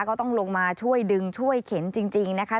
ก็ต้องลงมาช่วยดึงช่วยเข็นจริงนะคะ